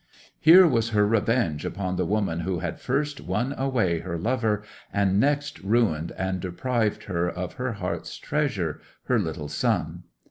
Here was her revenge upon the woman who had first won away her lover, and next ruined and deprived her of her heart's treasure—her little son.